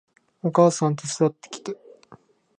お母さん手伝ってきて